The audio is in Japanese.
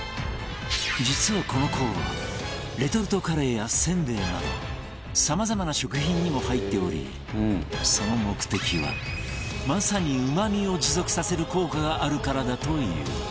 実はこの酵母はレトルトカレーやせんべいなどさまざまな食品にも入っておりその目的はまさにうま味を持続させる効果があるからだという